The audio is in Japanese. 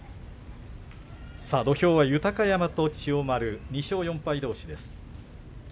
土俵は豊山と千代丸２勝４敗どうしです。